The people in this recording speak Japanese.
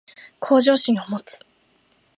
向上心を持つ